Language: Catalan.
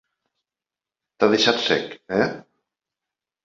T'han deixat sec, eh?